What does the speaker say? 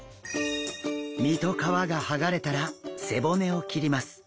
身と皮がはがれたら背骨を切ります。